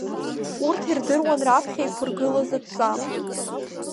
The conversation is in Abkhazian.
Урҭ ирдыруан раԥхьа иқәыргылаз адҵа.